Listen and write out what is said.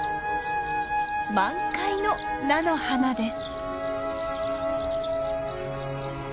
満開の菜の花です。